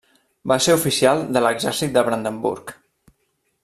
Va ser oficial de l'exèrcit de Brandenburg.